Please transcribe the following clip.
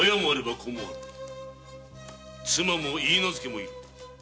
妻も許嫁もいる。